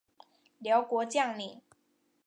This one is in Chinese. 辽国将领。